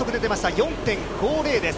４．５０です。